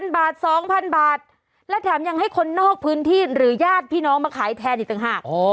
บาท๒๐๐บาทและแถมยังให้คนนอกพื้นที่หรือญาติพี่น้องมาขายแทนอีกต่างหาก